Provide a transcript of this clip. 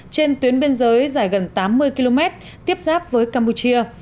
trên tuyến biên giới dài gần tám mươi km tiếp giáp với campuchia